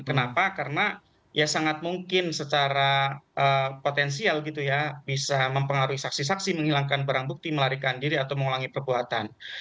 kenapa karena ya sangat mungkin secara potensial gitu ya bisa mempengaruhi saksi saksi menghilangkan barang bukti melarikan diri atau mengulangi perbuatan